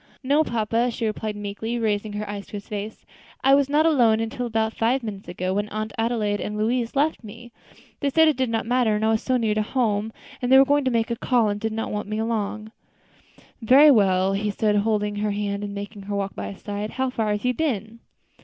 "No, papa," she replied meekly, raising her eyes to his face, "I was not alone until about five minutes ago, when Aunt Adelaide and Louise left me. They said it did not matter, as I was so near home; and they were going to make a call, and did not want me along." "Very well," he said, taking hold of her hand and making her walk by his side. "How far have you been?"